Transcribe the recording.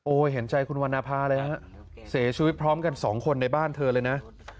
เห็นใจคุณวรรณภาเลยฮะเสียชีวิตพร้อมกันสองคนในบ้านเธอเลยนะ